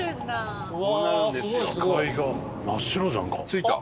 着いた。